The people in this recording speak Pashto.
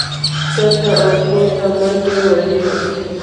ښکته او پورته منډې وهي